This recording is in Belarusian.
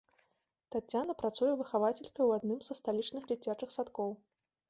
Таццяна працуе выхавацелькай ў адным са сталічных дзіцячых садкоў.